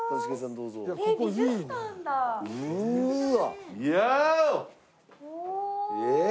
うわ！